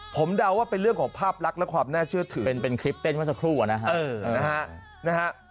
ผมเดาว่าเป็นเรื่องของภาพลักษณ์และความน่าเชื่อถือเป็นคลิปเต้นเมื่อสักครู่นะฮะ